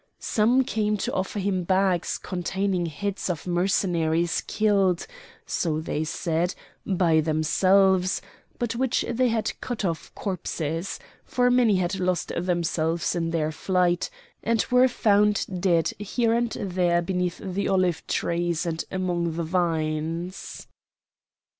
Some came to offer him bags containing heads of Mercenaries killed, so they said, by themselves, but which they had cut off corpses; for many had lost themselves in their flight, and were found dead here and there beneath the olive trees and among the vines.